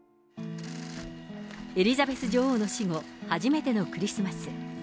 エリザベス女王の死後、初めてのクリスマス。